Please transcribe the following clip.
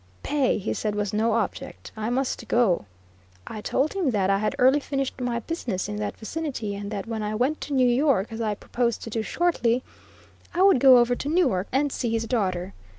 "Pay," he said, "was no object; I must go." I told him that I had early finished my business in that vicinity, and that when I went to New York, as I proposed to do shortly, I would go over to Newark and see his daughter.